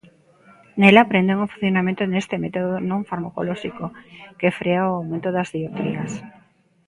Nel aprenden o funcionamento deste método non farmacolóxico, que frea o aumento das dioptrías.